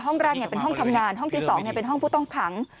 ห้องแรกเป็นห้องทำงานห้องที่๒เป็นห้องผู้ต้องขัง